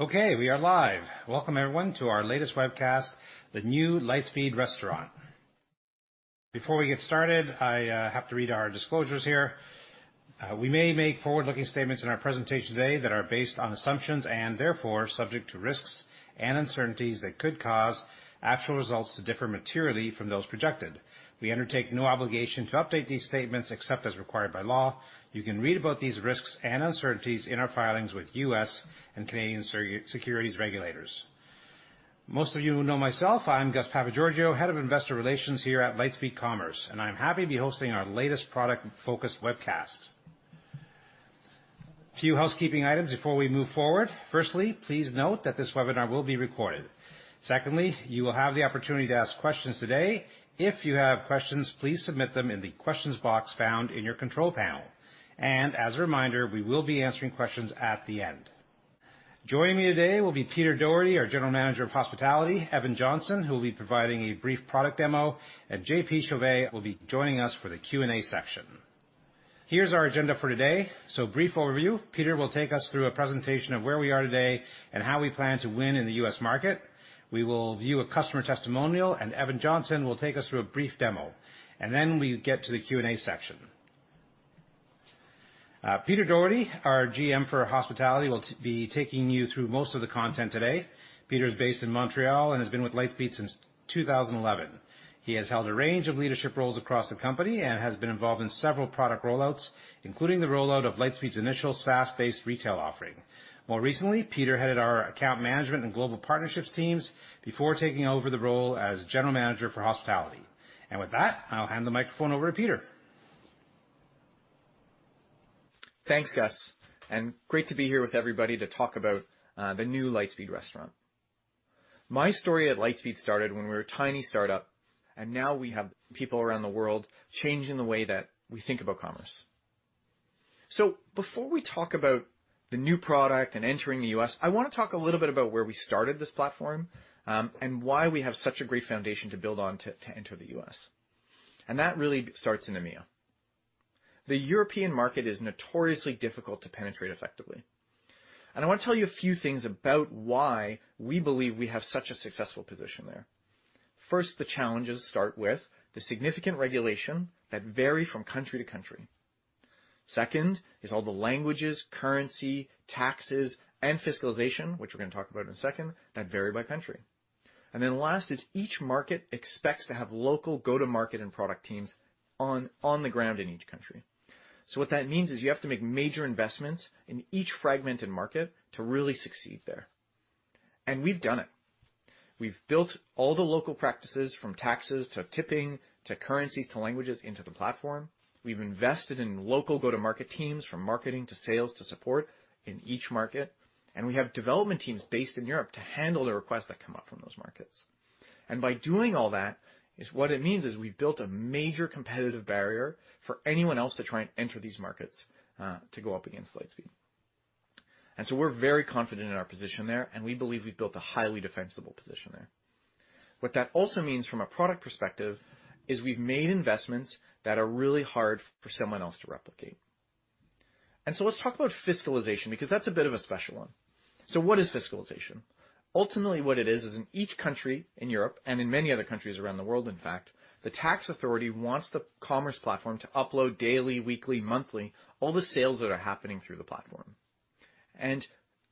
Okay, we are live. Welcome everyone to our latest webcast, The New Lightspeed Restaurant. Before we get started, I have to read our disclosures here. We may make forward-looking statements in our presentation today that are based on assumptions and therefore subject to risks and uncertainties that could cause actual results to differ materially from those projected. We undertake no obligation to update these statements except as required by law. You can read about these risks and uncertainties in our filings with U.S. and Canadian securities regulators. Most of you know myself. I'm Gus Papageorgiou, Head of Investor Relations here at Lightspeed Commerce, and I'm happy to be hosting our latest product-focused webcast. Few housekeeping items before we move forward. Firstly, please note that this webinar will be recorded. Secondly, you will have the opportunity to ask questions today. If you have questions, please submit them in the questions box found in your control panel. As a reminder, we will be answering questions at the end. Joining me today will be Peter Dougherty, our General Manager of Hospitality, Evan Johnson, who will be providing a brief product demo, and JP Chauvet will be joining us for the Q&A section. Here's our agenda for today. Brief overview. Peter will take us through a presentation of where we are today and how we plan to win in the US market. We will view a customer testimonial, and Evan Johnson will take us through a brief demo, and then we get to the Q&A section. Peter Dougherty, our GM for Hospitality, will be taking you through most of the content today. Peter is based in Montreal and has been with Lightspeed since 2011. He has held a range of leadership roles across the company and has been involved in several product rollouts, including the rollout of Lightspeed's initial SaaS-based retail offering. More recently, Peter headed our account management and global partnerships teams before taking over the role as General Manager for Hospitality. With that, I'll hand the microphone over to Peter. Thanks, Gus, and great to be here with everybody to talk about the new Lightspeed Restaurant. My story at Lightspeed started when we were a tiny startup, and now we have people around the world changing the way that we think about commerce. Before we talk about the new product and entering the U.S., I wanna talk a little bit about where we started this platform, and why we have such a great foundation to build on to enter the U.S. That really starts in EMEA. The European market is notoriously difficult to penetrate effectively, and I wanna tell you a few things about why we believe we have such a successful position there. First, the challenges start with the significant regulation that vary from country to country. Second is all the languages, currency, taxes, and fiscalization, which we're gonna talk about in a second, that vary by country. Last is each market expects to have local go-to-market and product teams on the ground in each country. What that means is you have to make major investments in each fragmented market to really succeed there. We've done it. We've built all the local practices from taxes, to tipping, to currencies, to languages into the platform. We've invested in local go-to-market teams, from marketing to sales to support in each market. We have development teams based in Europe to handle the requests that come up from those markets. By doing all that, is what it means is we've built a major competitive barrier for anyone else to try and enter these markets, to go up against Lightspeed. We're very confident in our position there, and we believe we've built a highly defensible position there. What that also means from a product perspective is we've made investments that are really hard for someone else to replicate. Let's talk about fiscalization, because that's a bit of a special one. What is fiscalization? Ultimately, what it is in each country in Europe and in many other countries around the world, in fact, the tax authority wants the commerce platform to upload daily, weekly, monthly, all the sales that are happening through the platform.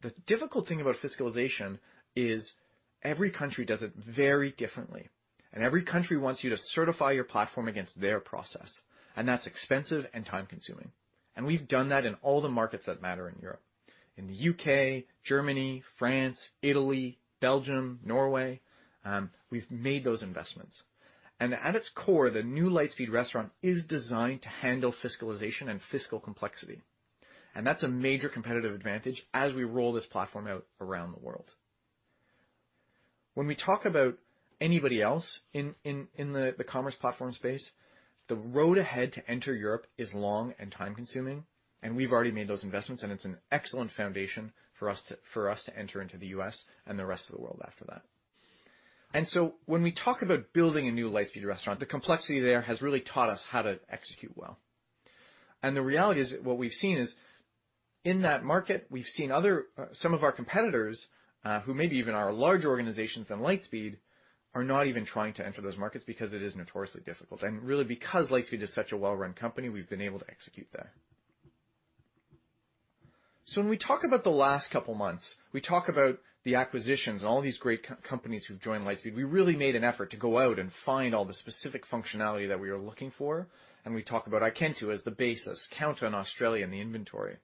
The difficult thing about fiscalization is every country does it very differently, and every country wants you to certify your platform against their process. That's expensive and time-consuming. We've done that in all the markets that matter in Europe. In the U.K., Germany, France, Italy, Belgium, Norway, we've made those investments. At its core, the new Lightspeed Restaurant is designed to handle fiscalization and fiscal complexity. That's a major competitive advantage as we roll this platform out around the world. When we talk about anybody else in the commerce platform space, the road ahead to enter Europe is long and time-consuming, and we've already made those investments, and it's an excellent foundation for us to enter into the U.S. and the rest of the world after that. When we talk about building a new Lightspeed Restaurant, the complexity there has really taught us how to execute well. The reality is, what we've seen is, in that market, we've seen other, some of our competitors, who may be even are larger organizations than Lightspeed, are not even trying to enter those markets because it is notoriously difficult. Really because Lightspeed is such a well-run company, we've been able to execute there. When we talk about the last couple months, we talk about the acquisitions and all these great co-companies who've joined Lightspeed. We really made an effort to go out and find all the specific functionality that we are looking for, and we talk about ikentoo as the basis, Kounta in Australia in the inventory.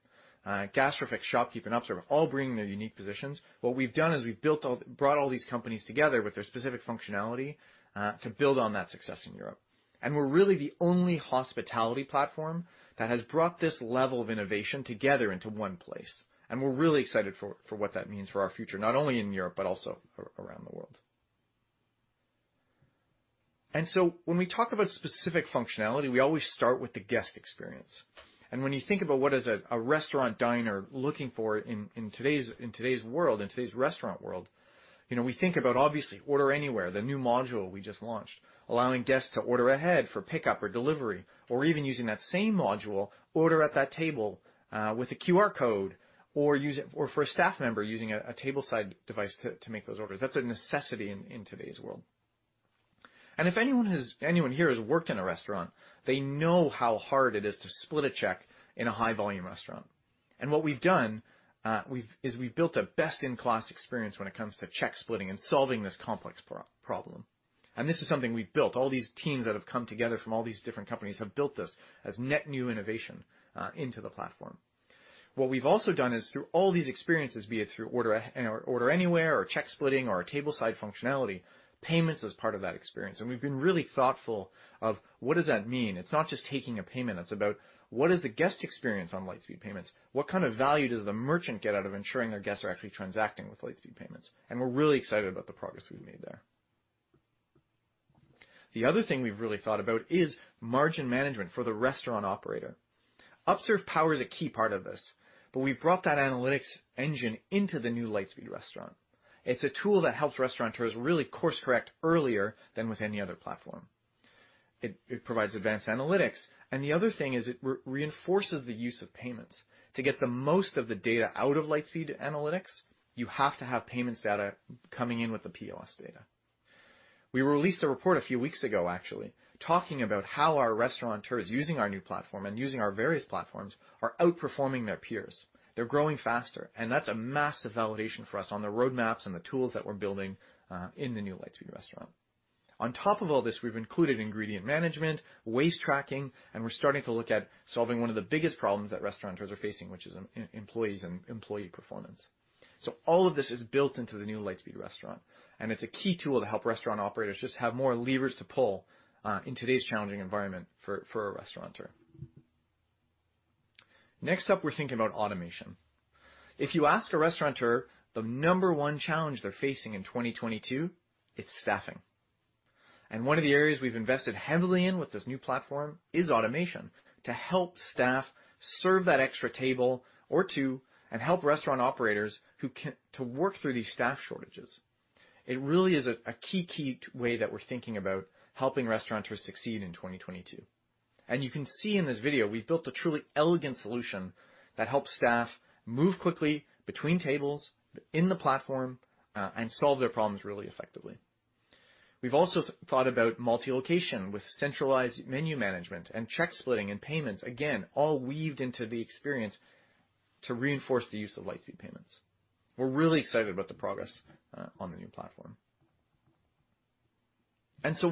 Gastrofix, ShopKeep and Upserve all bring their unique positions. What we've done is we've brought all these companies together with their specific functionality, to build on that success in Europe. We're really the only hospitality platform that has brought this level of innovation together into one place. We're really excited for what that means for our future, not only in Europe, but also around the world. When we talk about specific functionality, we always start with the guest experience. When you think about what a restaurant diner looking for in today's world, in today's restaurant world, you know, we think about obviously Order Anywhere, the new module we just launched, allowing guests to order ahead for pickup or delivery, or even using that same module, order at that table, with a QR code, or for a staff member using a tableside device to make those orders. That's a necessity in today's world. If anyone here has worked in a restaurant, they know how hard it is to split a check in a high-volume restaurant. What we've done is we've built a best-in-class experience when it comes to check splitting and solving this complex problem. This is something we've built. All these teams that have come together from all these different companies have built this as net new innovation into the platform. What we've also done is through all these experiences, be it through Order Anywhere or check splitting or our tableside functionality, payments is part of that experience. We've been really thoughtful of what does that mean? It's not just taking a payment, it's about what is the guest experience on Lightspeed Payments? What kind of value does the merchant get out of ensuring their guests are actually transacting with Lightspeed Payments? We're really excited about the progress we've made there. The other thing we've really thought about is margin management for the restaurant operator. Upserve Power is a key part of this, but we've brought that analytics engine into the new Lightspeed Restaurant. It's a tool that helps restaurateurs really course correct earlier than with any other platform. It provides advanced analytics. The other thing is it reinforces the use of payments. To get the most of the data out of Lightspeed Analytics, you have to have payments data coming in with the POS data. We released a report a few weeks ago, actually, talking about how our restaurateurs using our new platform and using our various platforms are outperforming their peers. They're growing faster, and that's a massive validation for us on the roadmaps and the tools that we're building in the new Lightspeed Restaurant. On top of all this, we've included ingredient management, waste tracking, and we're starting to look at solving one of the biggest problems that restaurateurs are facing, which is employees and employee performance. All of this is built into the new Lightspeed Restaurant, and it's a key tool to help restaurant operators just have more levers to pull in today's challenging environment for a restaurateur. Next up, we're thinking about automation. If you ask a restaurateur the number one challenge they're facing in 2022, it's staffing. One of the areas we've invested heavily in with this new platform is automation, to help staff serve that extra table or two and help restaurant operators to work through these staff shortages. It really is a key way that we're thinking about helping restaurateurs succeed in 2022. You can see in this video we've built a truly elegant solution that helps staff move quickly between tables in the platform and solve their problems really effectively. We've also thought about multi-location with centralized menu management and check splitting and payments, again, all weaved into the experience to reinforce the use of Lightspeed Payments. We're really excited about the progress on the new platform.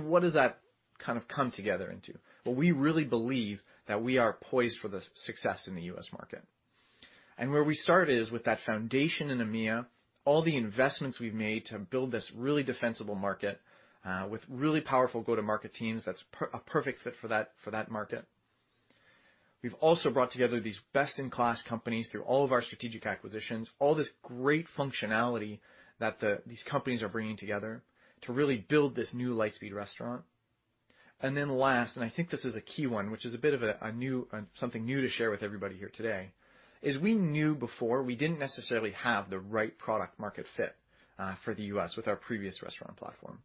What does that kind of come together into? Well, we really believe that we are poised for the success in the US market. Where we start is with that foundation in EMEA, all the investments we've made to build this really defensible market, with really powerful go-to-market teams that's a perfect fit for that, for that market. We've also brought together these best-in-class companies through all of our strategic acquisitions, all this great functionality that these companies are bringing together to really build this new Lightspeed Restaurant. Last, and I think this is a key one, which is something new to share with everybody here today, is we knew before we didn't necessarily have the right product market fit, for the U.S. with our previous restaurant platform.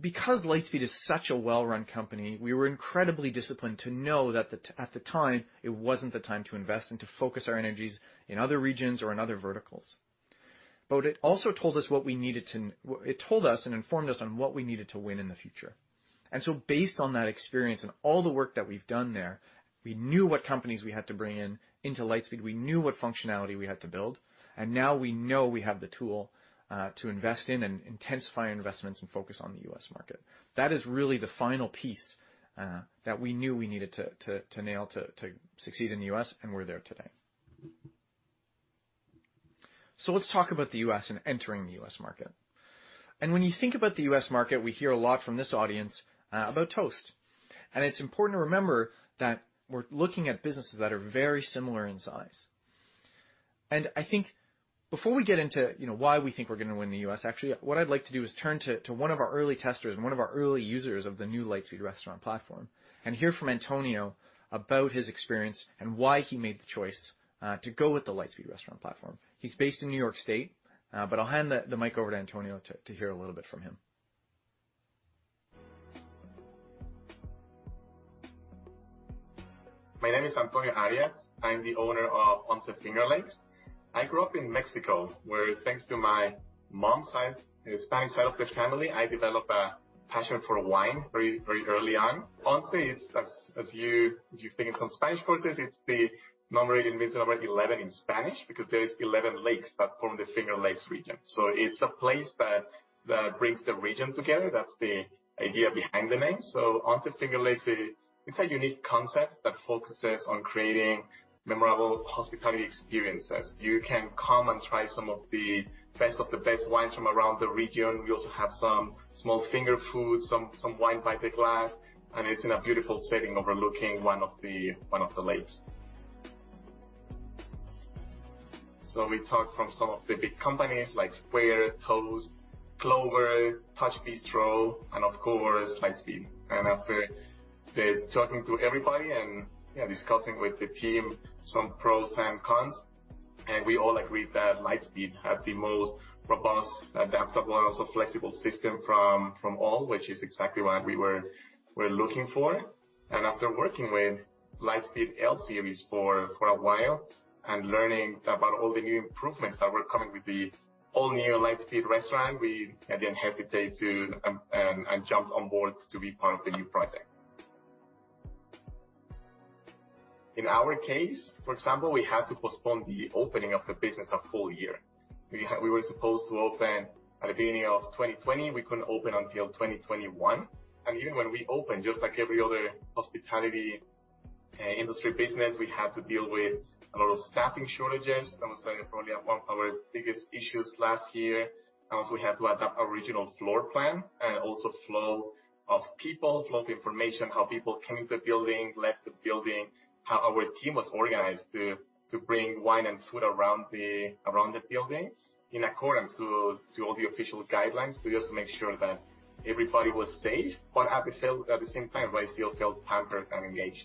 Because Lightspeed is such a well-run company, we were incredibly disciplined to know that at the time, it wasn't the time to invest and to focus our energies in other regions or in other verticals. It also told us what we needed to win in the future. Based on that experience and all the work that we've done there, we knew what companies we had to bring in into Lightspeed. We knew what functionality we had to build, and now we know we have the tool to invest in and intensify investments and focus on the US market. That is really the final piece that we knew we needed to nail to succeed in the U.S., and we're there today. Let's talk about the U.S. and entering the US market. When you think about the US market, we hear a lot from this audience about Toast. It's important to remember that we're looking at businesses that are very similar in size. I think before we get into you know why we think we're gonna win the U.S., actually what I'd like to do is turn to one of our early testers and one of our early users of the new Lightspeed Restaurant platform and hear from Antonio about his experience and why he made the choice to go with the Lightspeed Restaurant platform. He's based in New York State, but I'll hand the mic over to Antonio to hear a little bit from him. My name is Antonio Arias. I'm the owner of Once Finger Lakes. I grew up in Mexico, where thanks to my mom's side, the Spanish side of the family, I developed a passion for wine very early on. Once is, as you think in some Spanish courses, it's the number 11 in Spanish because there are 11 lakes that form the Finger Lakes region. It's a place that brings the region together. That's the idea behind the name. Once Finger Lakes is a unique concept that focuses on creating memorable hospitality experiences. You can come and try some of the best of the best wines from around the region. We also have some small finger foods, some wine by the glass, and it's in a beautiful setting overlooking one of the lakes. We talked to some of the big companies like Square, Toast, Clover, TouchBistro, and of course, Lightspeed. After talking to everybody and discussing with the team some pros and cons, we all agreed that Lightspeed had the most robust, adaptable, and also flexible system from all, which is exactly what we're looking for. After working with Lightspeed LCMS for a while and learning about all the new improvements that were coming with the all-new Lightspeed Restaurant, I didn't hesitate and jumped on board to be part of the new project. In our case, for example, we had to postpone the opening of the business a full year. We were supposed to open at the beginning of 2020. We couldn't open until 2021. Even when we opened, just like every other hospitality industry business, we had to deal with a lot of staffing shortages. That was, like, probably one of our biggest issues last year. Also, we had to adapt our original floor plan. Also flow of people, flow of information, how people came into the building, left the building, how our team was organized to bring wine and food around the building in accordance to all the official guidelines to just make sure that everybody was safe but at the same time, but still felt pampered and engaged.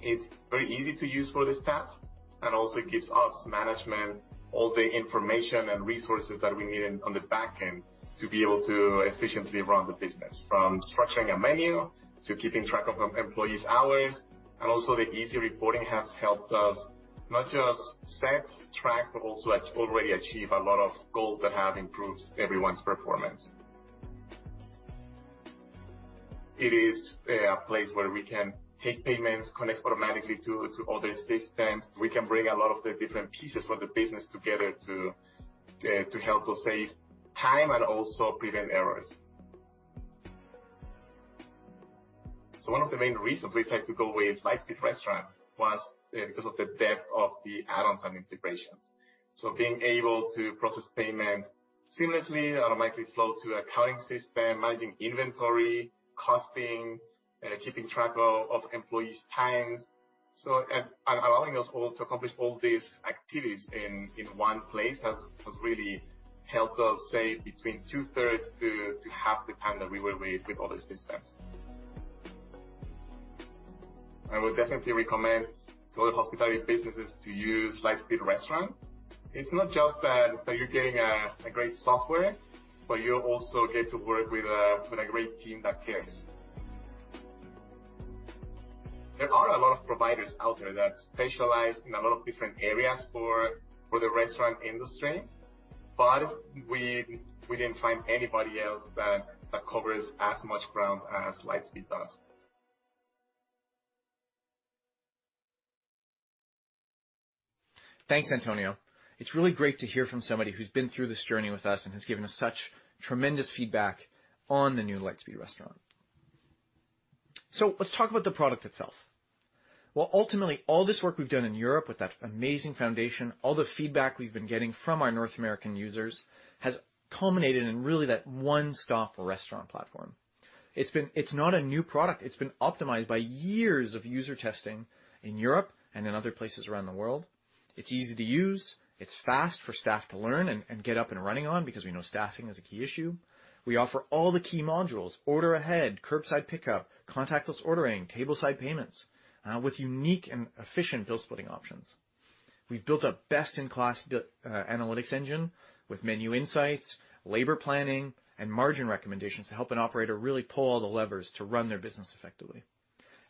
It's very easy to use for the staff, and also it gives us management all the information and resources that we need on the back end to be able to efficiently run the business, from structuring a menu to keeping track of employees' hours. Also the easy reporting has helped us not just set, track, but also like already achieve a lot of goals that have improved everyone's performance. It is a place where we can take payments, connects automatically to other systems. We can bring a lot of the different pieces for the business together to help to save time and also prevent errors. One of the main reasons we decided to go with Lightspeed Restaurant was because of the depth of the add-ons and integrations. Being able to process payment seamlessly, automatically flow to accounting system, managing inventory, costing, keeping track of employees' times. Allowing us all to accomplish all these activities in one place has really helped us save between two-thirds to half the time that we were with other systems. I would definitely recommend to other hospitality businesses to use Lightspeed Restaurant. It's not just that you're getting a great software, but you also get to work with a great team that cares. There are a lot of providers out there that specialize in a lot of different areas for the restaurant industry, but we didn't find anybody else that covers as much ground as Lightspeed does. Thanks, Antonio. It's really great to hear from somebody who's been through this journey with us and has given us such tremendous feedback on the new Lightspeed Restaurant. Let's talk about the product itself. Well, ultimately, all this work we've done in Europe with that amazing foundation, all the feedback we've been getting from our North American users has culminated in really that one-stop restaurant platform. It's been. It's not a new product. It's been optimized by years of user testing in Europe and in other places around the world. It's easy to use. It's fast for staff to learn and get up and running on because we know staffing is a key issue. We offer all the key modules. Order ahead, curbside pickup, contactless ordering, tableside payments, with unique and efficient bill-splitting options. We've built a best-in-class analytics engine with menu insights, labor planning, and margin recommendations to help an operator really pull all the levers to run their business effectively.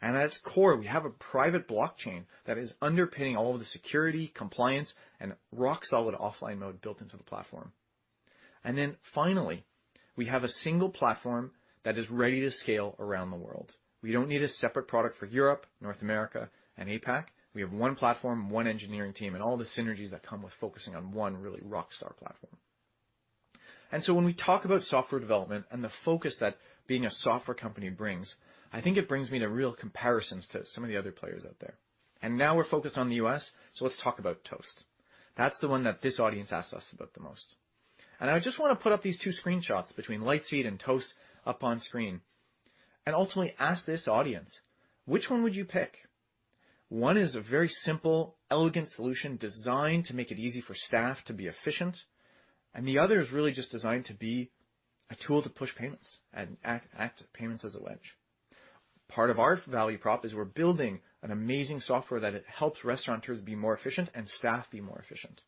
At its core, we have a private blockchain that is underpinning all of the security, compliance, and rock-solid offline mode built into the platform. Finally, we have a single platform that is ready to scale around the world. We don't need a separate product for Europe, North America, and APAC. We have one platform, one engineering team, and all the synergies that come with focusing on one really rockstar platform. When we talk about software development and the focus that being a software company brings, I think it brings me to real comparisons to some of the other players out there. Now we're focused on the U.S., so let's talk about Toast. That's the one that this audience asks us about the most. I just wanna put up these two screenshots between Lightspeed and Toast up on screen and ultimately ask this audience, which one would you pick? One is a very simple, elegant solution designed to make it easy for staff to be efficient, and the other is really just designed to be a tool to push payments and act payments as a wedge. Part of our value prop is we're building an amazing software that it helps restaurateurs be more efficient and staff be more efficient.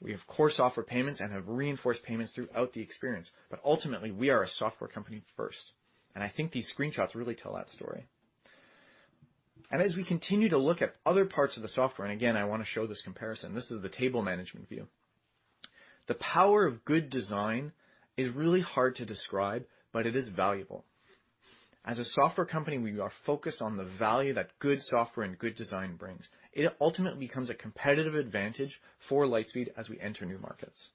We, of course, offer payments and have reinforced payments throughout the experience. Ultimately, we are a software company first, and I think these screenshots really tell that story. As we continue to look at other parts of the software, and again, I wanna show this comparison. This is the table management view. The power of good design is really hard to describe, but it is valuable. As a software company, we are focused on the value that good software and good design brings. It ultimately becomes a competitive advantage for Lightspeed as we enter new markets.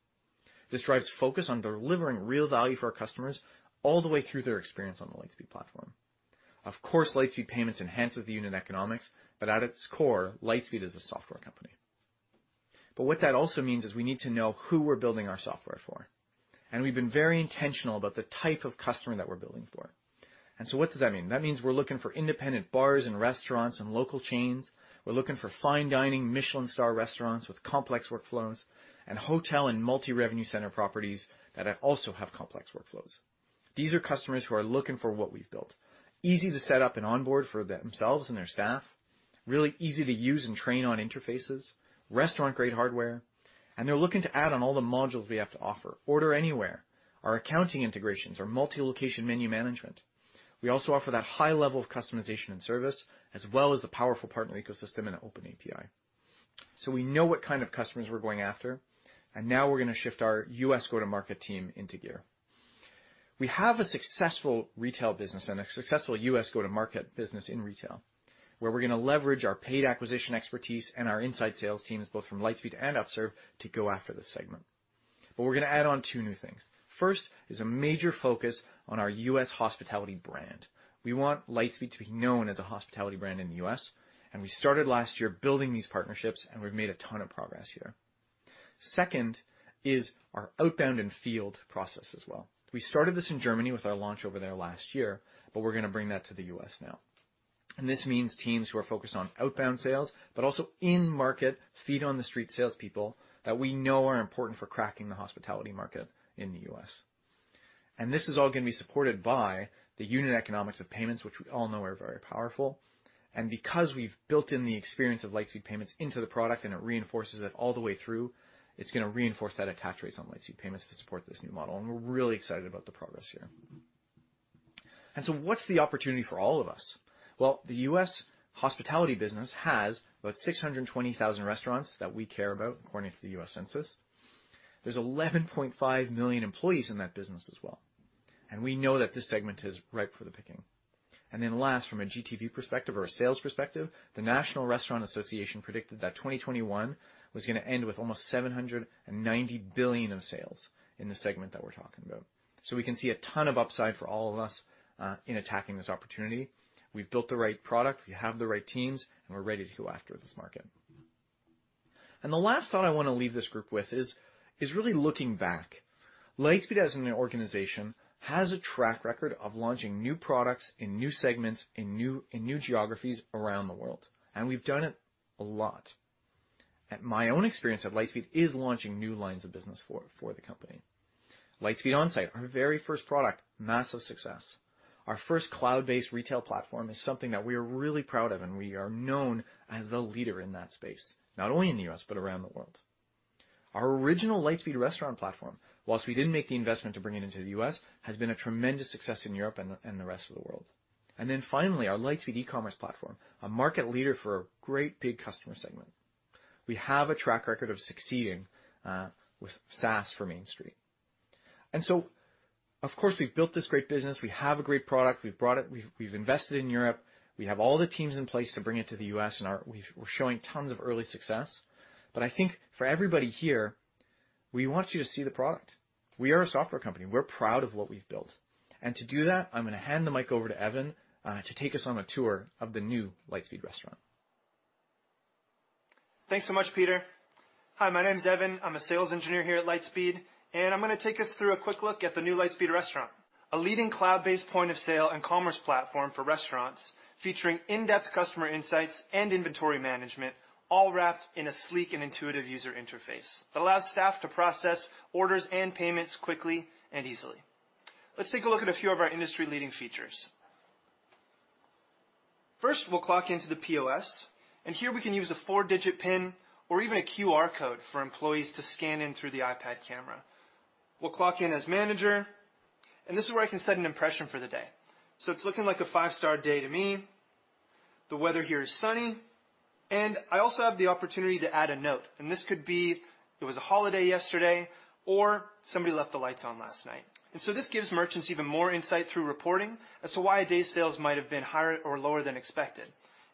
This drives focus on delivering real value for our customers all the way through their experience on the Lightspeed platform. Of course, Lightspeed Payments enhances the unit economics, but at its core, Lightspeed is a software company. What that also means is we need to know who we're building our software for, and we've been very intentional about the type of customer that we're building for. What does that mean? That means we're looking for independent bars and restaurants and local chains. We're looking for fine dining, Michelin star restaurants with complex workflows and hotel and multi-revenue center properties that also have complex workflows. These are customers who are looking for what we've built, easy to set up and onboard for themselves and their staff, really easy to use and train on interfaces, restaurant-grade hardware. They're looking to add on all the modules we have to offer, Order Anywhere, our accounting integrations, our multi-location menu management. We also offer that high level of customization and service, as well as the powerful partner ecosystem and open API. We know what kind of customers we're going after, and now we're gonna shift our US go-to-market team into gear. We have a successful retail business and a successful US go-to-market business in retail, where we're gonna leverage our paid acquisition expertise and our inside sales teams, both from Lightspeed and Upserve, to go after this segment. But we're gonna add on two new things. First is a major focus on our US hospitality brand. We want Lightspeed to be known as a hospitality brand in the U.S., and we started last year building these partnerships, and we've made a ton of progress here. Second is our outbound and field process as well. We started this in Germany with our launch over there last year, but we're gonna bring that to the U.S. now. This means teams who are focused on outbound sales, but also in-market, feet-on-the-street salespeople that we know are important for cracking the hospitality market in the U.S. This is all gonna be supported by the unit economics of payments, which we all know are very powerful. Because we've built in the experience of Lightspeed Payments into the product and it reinforces it all the way through, it's gonna reinforce that attach rate on Lightspeed Payments to support this new model. We're really excited about the progress here. What's the opportunity for all of us? Well, the US hospitality business has about 620,000 restaurants that we care about, according to the US Census. There's 11.5 million employees in that business as well, and we know that this segment is ripe for the picking. Last, from a GTV perspective or a sales perspective, the National Restaurant Association predicted that 2021 was gonna end with almost $790 billion of sales in the segment that we're talking about. We can see a ton of upside for all of us in attacking this opportunity. We've built the right product, we have the right teams, and we're ready to go after this market. The last thought I want to leave this group with is really looking back. Lightspeed as an organization has a track record of launching new products in new segments in new geographies around the world, and we've done it a lot. My own experience at Lightspeed is launching new lines of business for the company. Lightspeed OnSite, our very first product, massive success. Our first cloud-based retail platform is something that we are really proud of, and we are known as the leader in that space, not only in the U.S., but around the world. Our original Lightspeed Restaurant platform, while we didn't make the investment to bring it into the U.S., has been a tremendous success in Europe and the rest of the world. Then finally, our Lightspeed eCom platform, a market leader for a great big customer segment. We have a track record of succeeding with SaaS for Main Street. Of course, we've built this great business. We have a great product. We've brought it. We've invested in Europe. We have all the teams in place to bring it to the U.S., and we're showing tons of early success. I think for everybody here, we want you to see the product. We are a software company. We're proud of what we've built. To do that, I'm gonna hand the mic over to Evan to take us on a tour of the new Lightspeed Restaurant. Thanks so much, Peter. Hi, my name's Evan. I'm a sales engineer here at Lightspeed, and I'm gonna take us through a quick look at the new Lightspeed Restaurant, a leading cloud-based point-of-sale and commerce platform for restaurants, featuring in-depth customer insights and inventory management, all wrapped in a sleek and intuitive user interface that allows staff to process orders and payments quickly and easily. Let's take a look at a few of our industry-leading features. First, we'll clock into the POS, and here we can use a four-digit PIN or even a QR code for employees to scan in through the iPad camera. We'll clock in as manager, and this is where I can set an impression for the day. It's looking like a five-star day to me. The weather here is sunny, and I also have the opportunity to add a note, and this could be it was a holiday yesterday or somebody left the lights on last night. This gives merchants even more insight through reporting as to why a day's sales might have been higher or lower than expected.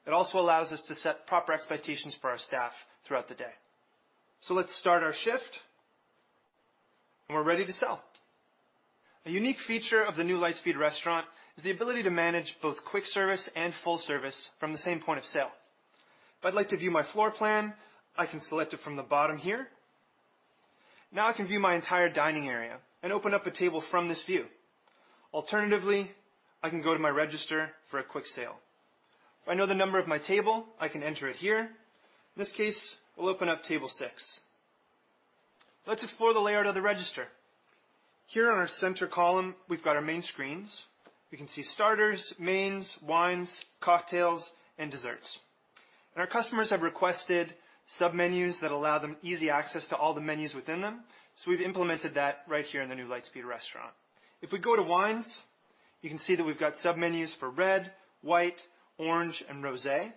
It also allows us to set proper expectations for our staff throughout the day. Let's start our shift, and we're ready to sell. A unique feature of the new Lightspeed Restaurant is the ability to manage both quick service and full service from the same point of sale. If I'd like to view my floor plan, I can select it from the bottom here. Now I can view my entire dining area and open up a table from this view. Alternatively, I can go to my register for a quick sale. If I know the number of my table, I can enter it here. In this case, we'll open up table 6. Let's explore the layout of the register. Here on our center column, we've got our main screens. We can see starters, mains, wines, cocktails, and desserts. Our customers have requested submenus that allow them easy access to all the menus within them. We've implemented that right here in the new Lightspeed Restaurant. If we go to wines, you can see that we've got submenus for red, white, orange, and rosé.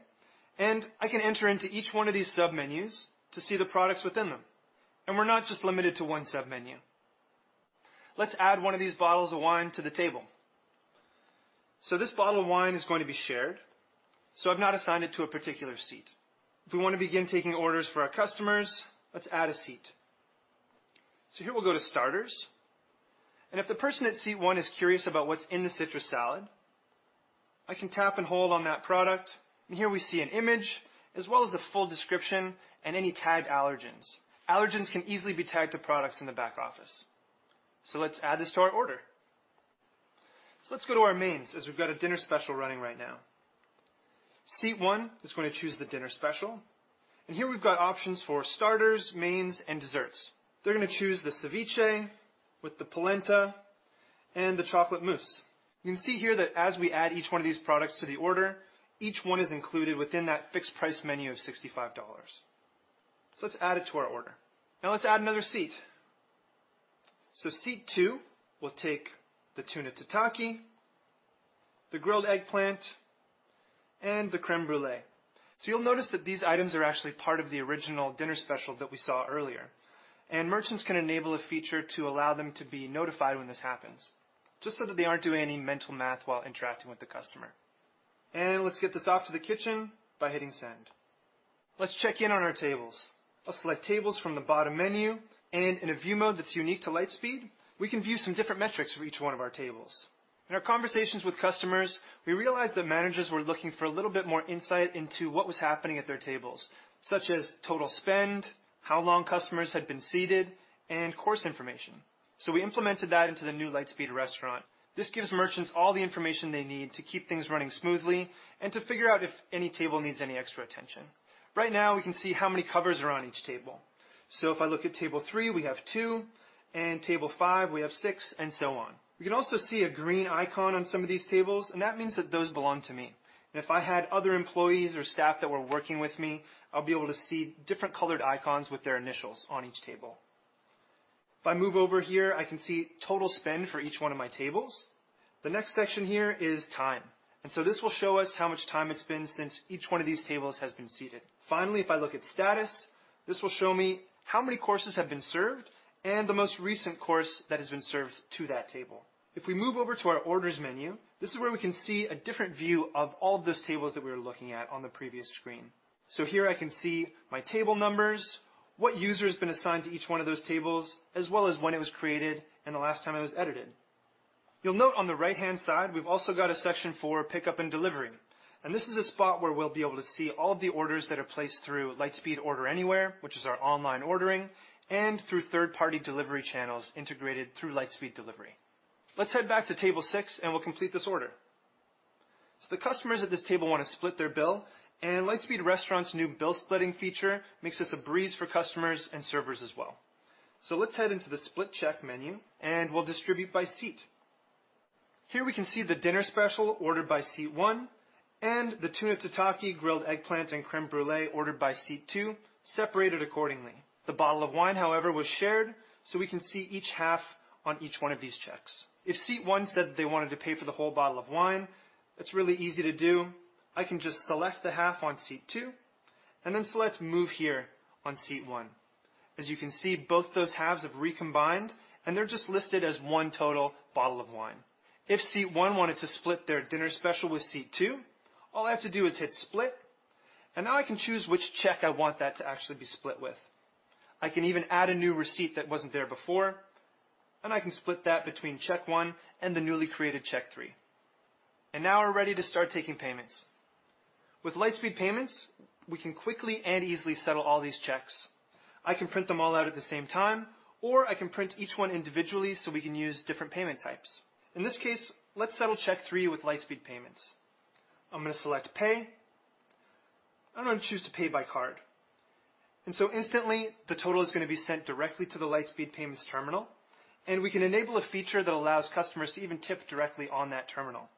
I can enter into each one of these submenus to see the products within them. We're not just limited to one submenu. Let's add one of these bottles of wine to the table. This bottle of wine is going to be shared, so I've not assigned it to a particular seat. If we want to begin taking orders for our customers, let's add a seat. Here we'll go to starters. If the person at seat one is curious about what's in the citrus salad, I can tap and hold on that product. Here we see an image as well as a full description and any tagged allergens. Allergens can easily be tagged to products in the back office. Let's add this to our order. Let's go to our mains, as we've got a dinner special running right now. Seat one is going to choose the dinner special. Here we've got options for starters, mains, and desserts. They're going to choose the ceviche with the polenta and the chocolate mousse. You can see here that as we add each one of these products to the order, each one is included within that fixed price menu of $65. Let's add it to our order. Now let's add another seat. Seat two will take the tuna tataki, the grilled eggplant, and the crème brûlée. You'll notice that these items are actually part of the original dinner special that we saw earlier, and merchants can enable a feature to allow them to be notified when this happens, just so that they aren't doing any mental math while interacting with the customer. Let's get this off to the kitchen by hitting send. Let's check in on our tables. I'll select Tables from the bottom menu, and in a view mode that's unique to Lightspeed, we can view some different metrics for each one of our tables. In our conversations with customers, we realized that managers were looking for a little bit more insight into what was happening at their tables, such as total spend, how long customers had been seated, and course information. We implemented that into the new Lightspeed Restaurant. This gives merchants all the information they need to keep things running smoothly and to figure out if any table needs any extra attention. Right now, we can see how many covers are on each table. If I look at table 3, we have two, and table 5, we have six, and so on. We can also see a green icon on some of these tables, and that means that those belong to me. If I had other employees or staff that were working with me, I'll be able to see different colored icons with their initials on each table. If I move over here, I can see total spend for each one of my tables. The next section here is time, and so this will show us how much time it's been since each one of these tables has been seated. Finally, if I look at status, this will show me how many courses have been served and the most recent course that has been served to that table. If we move over to our orders menu, this is where we can see a different view of all those tables that we were looking at on the previous screen. Here I can see my table numbers, what user has been assigned to each one of those tables, as well as when it was created and the last time it was edited. You'll note on the right-hand side, we've also got a section for pickup and delivery, and this is a spot where we'll be able to see all of the orders that are placed through Lightspeed Order Anywhere, which is our online ordering, and through third-party delivery channels integrated through Lightspeed Delivery. Let's head back to table six, and we'll complete this order. The customers at this table wanna split their bill, and Lightspeed Restaurant's new bill splitting feature makes this a breeze for customers and servers as well. Let's head into the Split Check menu, and we'll distribute by seat. Here we can see the dinner special ordered by seat 1 and the tuna tataki, grilled eggplant, and crème brûlée ordered by seat 2, separated accordingly. The bottle of wine, however, was shared, so we can see each half on each one of these checks. If seat 1 said they wanted to pay for the whole bottle of wine, that's really easy to do. I can just select the half on seat 2 and then select Move Here on seat 1. As you can see, both those halves have recombined, and they're just listed as one total bottle of wine. If seat 1 wanted to split their dinner special with seat 2, all I have to do is hit Split, and now I can choose which check I want that to actually be split with. I can even add a new receipt that wasn't there before, and I can split that between check 1 and the newly created check 3. Now we're ready to start taking payments. With Lightspeed Payments, we can quickly and easily settle all these checks. I can print them all out at the same time, or I can print each one individually, so we can use different payment types. In this case, let's settle check 3 with Lightspeed Payments. I'm gonna select Pay. I'm gonna choose to pay by card. Instantly, the total is gonna be sent directly to the Lightspeed Payments terminal, and we can enable a feature that allows customers to even tip directly on that terminal.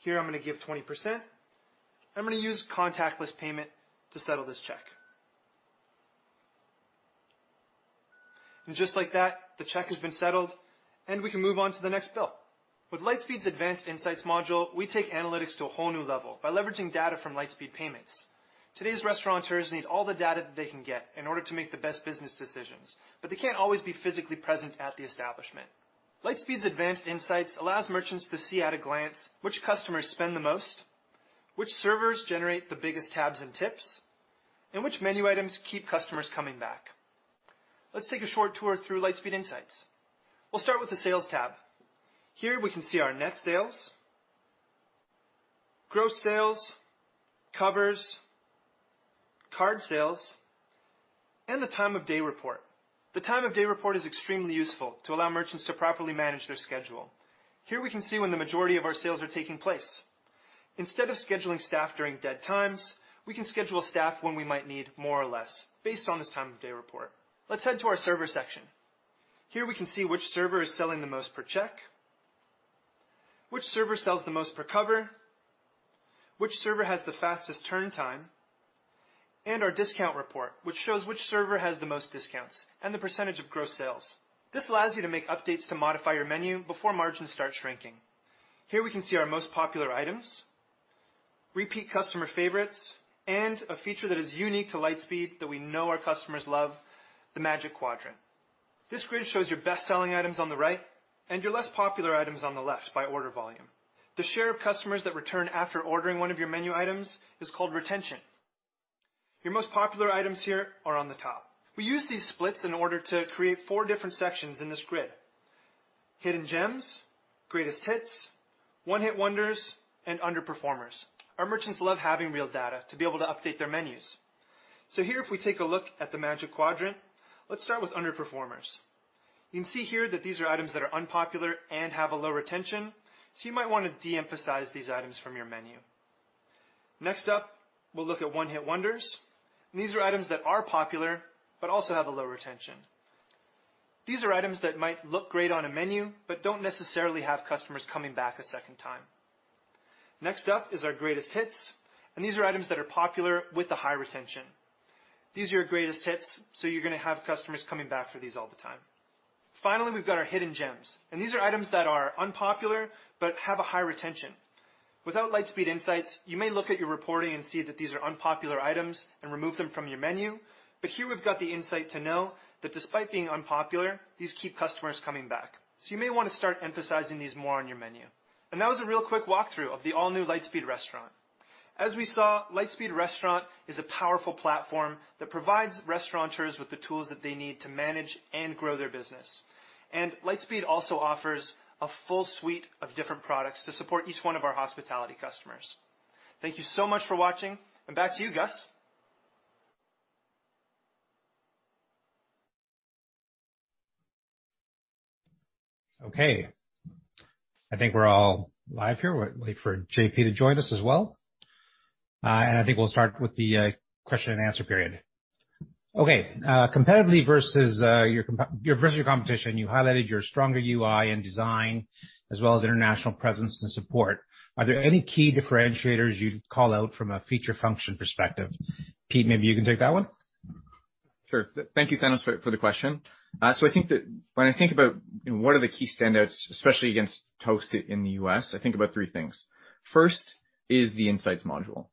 Here I'm gonna give 20%. I'm gonna use contactless payment to settle this check. Just like that, the check has been settled, and we can move on to the next bill. With Lightspeed's Advanced Insights module, we take analytics to a whole new level by leveraging data from Lightspeed Payments. Today's restaurateurs need all the data that they can get in order to make the best business decisions, but they can't always be physically present at the establishment. Lightspeed Advanced Insights allows merchants to see at a glance which customers spend the most, which servers generate the biggest tabs and tips, and which menu items keep customers coming back. Let's take a short tour through Lightspeed Insights. We'll start with the Sales tab. Here we can see our net sales, gross sales, covers, card sales, and the time of day report. The time of day report is extremely useful to allow merchants to properly manage their schedule. Here we can see when the majority of our sales are taking place. Instead of scheduling staff during dead times, we can schedule staff when we might need more or less based on this time of day report. Let's head to our server section. Here we can see which server is selling the most per check, which server sells the most per cover, which server has the fastest turn time, and our discount report, which shows which server has the most discounts and the percentage of gross sales. This allows you to make updates to modify your menu before margins start shrinking. Here we can see our most popular items, repeat customer favorites, and a feature that is unique to Lightspeed that we know our customers love, the Magic Quadrant. This grid shows your best-selling items on the right and your less popular items on the left by order volume. The share of customers that return after ordering one of your menu items is called retention. Your most popular items here are on the top. We use these splits in order to create four different sections in this grid: hidden gems, greatest hits, one-hit wonders, and underperformers. Our merchants love having real data to be able to update their menus. Here, if we take a look at the Magic Quadrant, let's start with underperformers. You can see here that these are items that are unpopular and have a low retention, so you might wanna de-emphasize these items from your menu. Next up, we'll look at one-hit wonders. These are items that are popular but also have a low retention. These are items that might look great on a menu but don't necessarily have customers coming back a second time. Next up is our greatest hits, and these are items that are popular with the high retention. These are your greatest hits, so you're gonna have customers coming back for these all the time. Finally, we've got our hidden gems, and these are items that are unpopular but have a high retention. Without Lightspeed Insights, you may look at your reporting and see that these are unpopular items and remove them from your menu. Here we've got the insight to know that despite being unpopular, these keep customers coming back. You may wanna start emphasizing these more on your menu. That was a real quick walkthrough of the all-new Lightspeed Restaurant. As we saw, Lightspeed Restaurant is a powerful platform that provides restaurateurs with the tools that they need to manage and grow their business. Lightspeed also offers a full suite of different products to support each one of our hospitality customers. Thank you so much for watching, and back to you, Gus. Okay. I think we're all live here. We're waiting for JP to join us as well. I think we'll start with the question and answer period. Okay, competitively versus your competition, you highlighted your stronger UI and design as well as international presence and support. Are there any key differentiators you'd call out from a feature function perspective? Peter, maybe you can take that one. Sure. Thank you, Thanos, for the question. So I think that when I think about, you know, what are the key standouts, especially against Toast in the U.S., I think about three things. First is the insights module.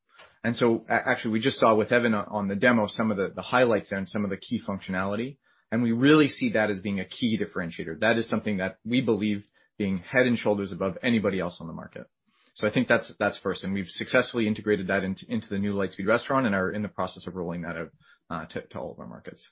Actually, we just saw with Evan on the demo some of the highlights and some of the key functionality, and we really see that as being a key differentiator. That is something that we believe being head and shoulders above anybody else on the market. So I think that's first, and we've successfully integrated that into the new Lightspeed Restaurant and are in the process of rolling that out to all of our markets.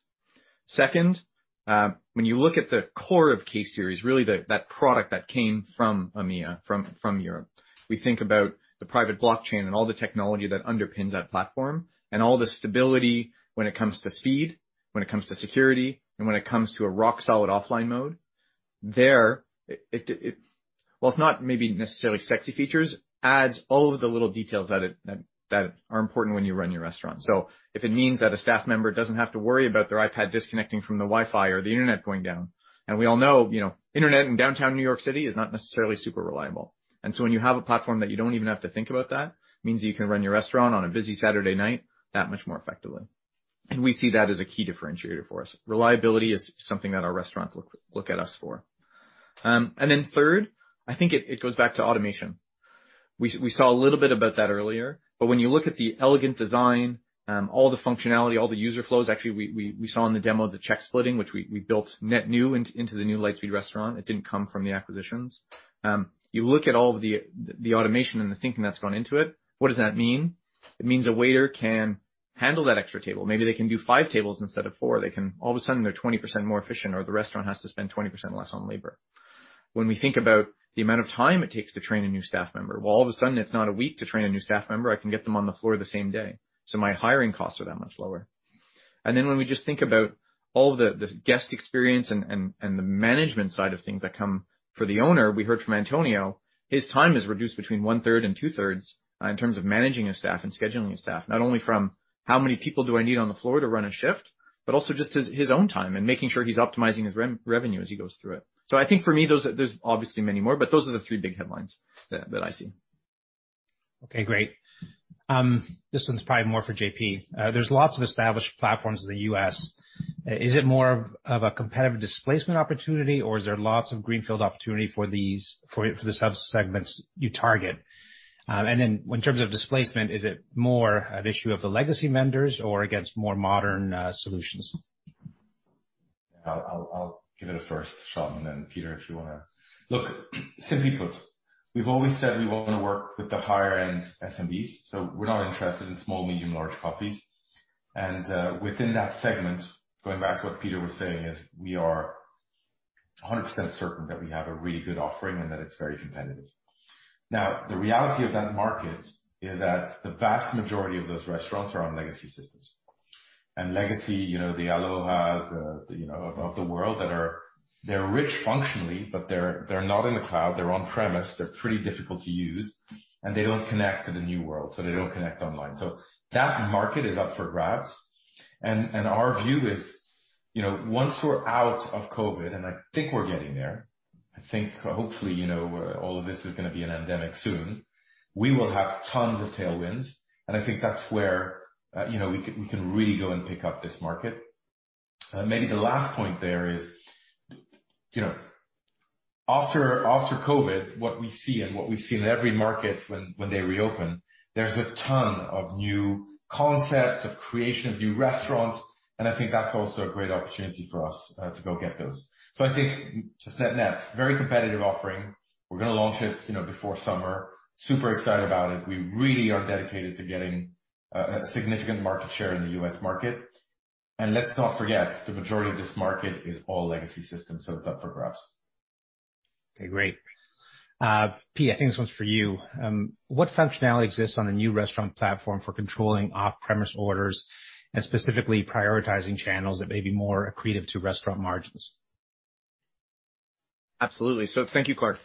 Second, when you look at the core of K-Series, really the... that product that came from EMEA, from Europe. We think about the private blockchain and all the technology that underpins that platform and all the stability when it comes to speed, when it comes to security, and when it comes to a rock solid offline mode. There, while it's not maybe necessarily sexy features, adds all of the little details that are important when you run your restaurant. If it means that a staff member doesn't have to worry about their iPad disconnecting from the Wi-Fi or the internet going down, and we all know, you know, internet in downtown New York City is not necessarily super reliable. When you have a platform that you don't even have to think about that, means that you can run your restaurant on a busy Saturday night that much more effectively. We see that as a key differentiator for us. Reliability is something that our restaurants look at us for. Then third, I think it goes back to automation. We saw a little bit about that earlier, but when you look at the elegant design, all the functionality, all the user flows, actually we saw in the demo of the check splitting, which we built net new into the new Lightspeed Restaurant. It didn't come from the acquisitions. You look at all of the automation and the thinking that's gone into it. What does that mean? It means a waiter can handle that extra table. Maybe they can do five tables instead of four. They can all of a sudden, they're 20% more efficient, or the restaurant has to spend 20% less on labor. When we think about the amount of time it takes to train a new staff member, well, all of a sudden, it's not a week to train a new staff member. I can get them on the floor the same day. My hiring costs are that much lower. When we just think about all the guest experience and the management side of things that come for the owner, we heard from Antonio, his time is reduced between one-third and two-thirds in terms of managing his staff and scheduling his staff. Not only from how many people do I need on the floor to run a shift, but also just his own time and making sure he's optimizing his revenue as he goes through it. I think for me, those are. There's obviously many more, but those are the three big headlines that I see. Okay, great. This one's probably more for JP. There's lots of established platforms in the U.S. Is it more of a competitive displacement opportunity, or is there lots of greenfield opportunity for the sub-segments you target? In terms of displacement, is it more an issue of the legacy vendors or against more modern solutions? I'll give it a first shot, and then Peter, if you wanna. Look, simply put, we've always said we wanna work with the higher-end SMBs, so we're not interested in small, medium, large coffees. Within that segment, going back to what Peter was saying, we are 100% certain that we have a really good offering and that it's very competitive. Now, the reality of that market is that the vast majority of those restaurants are on legacy systems. Legacy, you know, the Aloha, the, you know, of the world that are... they're rich functionally, but they're not in the cloud, they're on-premise, they're pretty difficult to use, and they don't connect to the new world. They don't connect online. That market is up for grabs. Our view is, you know, once we're out of COVID, and I think we're getting there, I think hopefully, you know, all of this is gonna be an endemic soon. We will have tons of tailwinds, and I think that's where, you know, we can really go and pick up this market. Maybe the last point there is, you know, after COVID, what we see and what we've seen in every market when they reopen, there's a ton of new concepts, of creation of new restaurants, and I think that's also a great opportunity for us, to go get those. I think just net net, very competitive offering. We're gonna launch it, you know, before summer. Super excited about it. We really are dedicated to getting a significant market share in the US market. Let's not forget, the majority of this market is all legacy systems, so it's up for grabs. Okay, great. Peter, I think this one's for you. What functionality exists on the new restaurant platform for controlling off-premise orders and specifically prioritizing channels that may be more accretive to restaurant margins? Absolutely. Thank you, Clark.